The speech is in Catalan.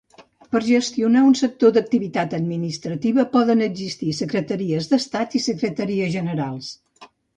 Per a gestionar un sector d'activitat administrativa poden existir Secretaries d'Estat i Secretaries Generals.